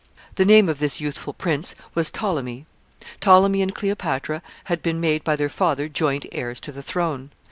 The name of this youthful prince was Ptolemy. Ptolemy and Cleopatra bad been made by their father joint heirs to the throne.